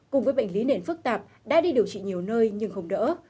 cùng với bệnh lý nền phức tạp đã đi điều trị nhiều nơi nhưng không đỡ